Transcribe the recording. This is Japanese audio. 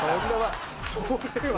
それは。